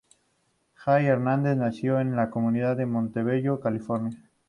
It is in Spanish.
Jay Hernández nació en la comunidad de Montebello, California.